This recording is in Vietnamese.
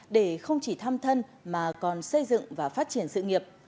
để không chỉ thăm thân mà còn xây dựng và phát triển sự nghiệp